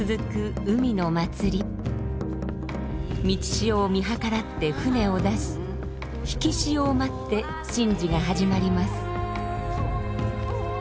満ち潮を見計らって船を出し引き潮を待って神事が始まります。